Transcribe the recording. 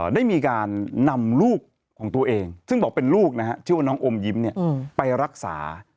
ได้มีการนำลูกของตัวเองซึ่งบอกเป็นลูกนะฮะชื่อว่าน้องอมยิ้มไปรักษา